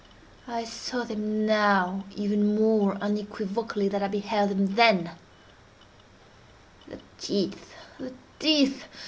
I saw them now even more unequivocally than I beheld them then. The teeth!—the teeth!